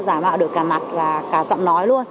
giả mạo được cả mặt và cả giọng nói luôn